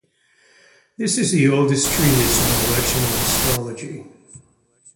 This is the oldest treatise on electional astrology.